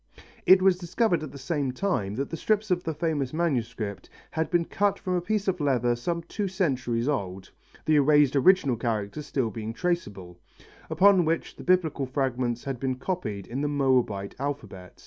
It was discovered at the same time that the strips of the famous manuscript had been cut from a piece of leather some two centuries old the erased original characters still being traceable upon which the Biblical fragments had been copied in the Moabite alphabet.